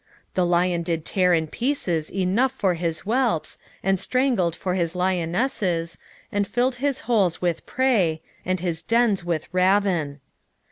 2:12 The lion did tear in pieces enough for his whelps, and strangled for his lionesses, and filled his holes with prey, and his dens with ravin.